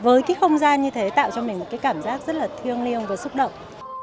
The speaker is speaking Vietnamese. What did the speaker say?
với cái không gian như thế tạo cho mình một cái cảm giác rất là thiêng liêng và xúc động